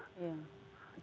selama empat bulan